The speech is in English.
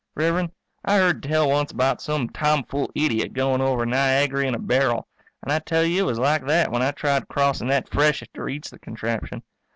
Rev'rend, I heard tell once about some tomfool idiot going over Niagary in a barrel, and I tell you it was like that when I tried crossin' that freshet to reach the contraption.